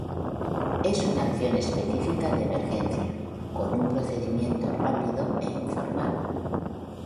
Es una acción específica de emergencia, con un procedimiento rápido e informal.